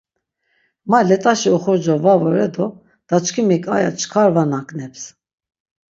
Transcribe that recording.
Ma let̆aşi oxorca va vore do daçkimik aya çkar va nagneps.